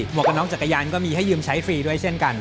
วกกับน้องจักรยานก็มีให้ยืมใช้ฟรีด้วยเช่นกัน